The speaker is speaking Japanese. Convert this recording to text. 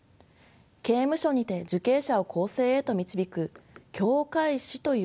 刑務所にて受刑者を更生へと導く「教誨師」という仕事です。